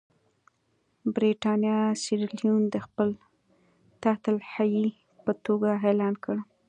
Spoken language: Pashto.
برېټانیا سیریلیون د خپل تحت الحیې په توګه اعلان کړ.